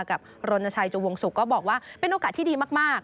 รณชัยจุวงศุกร์ก็บอกว่าเป็นโอกาสที่ดีมาก